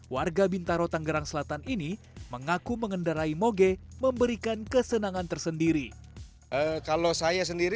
warga bintaro tanggerang selatan ini mengaku mengendarai moge memberikan kesenangan tersendiri